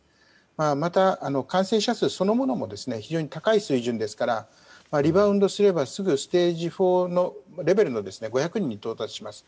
また、感染者数そのものも非常に高い水準ですからリバウンドすればすぐステージ４レベルの５００人に到達します。